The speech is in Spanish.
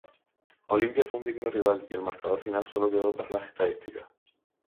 Olimpia fue un digno rival y el marcador final solo quedó para las estadísticas.